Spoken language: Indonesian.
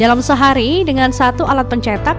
dalam sehari dengan satu alat pencetak